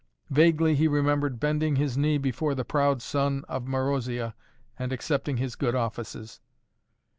Vaguely he remembered bending his knee before the proud son of Marozia and accepting his good offices.